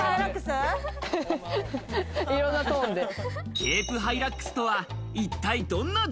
ケープハイラックスとは、ここ。